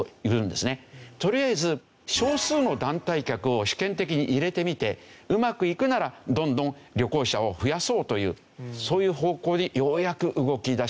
とりあえず少数の団体客を試験的に入れてみてうまくいくならどんどん旅行者を増やそうというそういう方向にようやく動き出した。